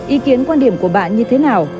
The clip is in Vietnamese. ý kiến quan điểm của bạn như thế nào